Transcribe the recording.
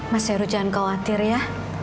mas heru jangan khawatir ya